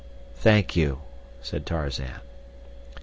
"Thank you," said Tarzan.